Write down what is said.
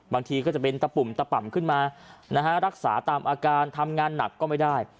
บางทีก็จะเป็นตะปุ่มตะป่ำขึ้นมารักษาตามอาการทำงานหนักก็ไม่ได้